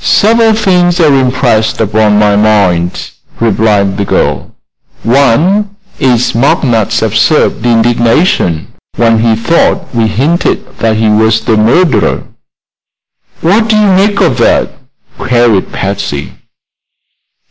"Several things are impressed upon my mind," replied the girl. "One is McNutt's absurd indignation when he thought we hinted that he was the murderer." "What do you make of that?" queried Patsy.